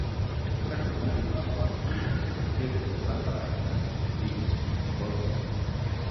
Es tracta d'un edifici construït entre mitgeres de planta baixa, pis i golfes.